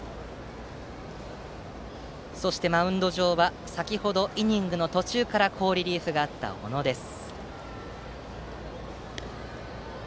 そしてマウンド上は先程イニング途中からの好リリーフがあった小野です。